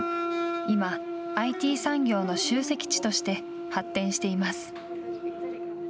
今、ＩＴ産業の集積地として発展しています。